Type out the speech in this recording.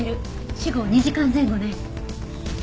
死後２時間前後ね。